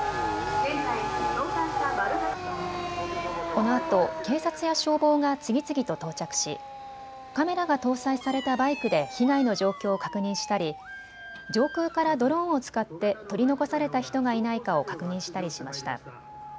このあと警察や消防が次々と到着しカメラが搭載されたバイクで被害の状況を確認したり上空からドローンを使って取り残された人がいないかを確認したりしました。